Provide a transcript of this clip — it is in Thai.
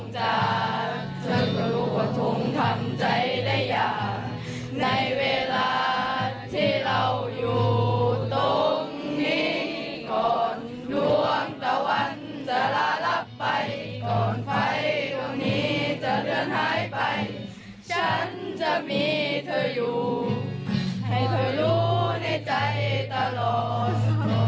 ฉันจะมีเธออยู่ให้เธอรู้ในใจตลอด